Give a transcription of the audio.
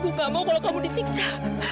ibu gak mau kalau kamu disiksa